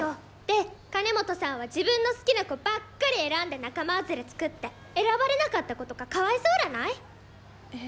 で金本さんは自分の好きな子ばっかり選んで仲間外れ作って選ばれなかった子とかかわいそうらない？え。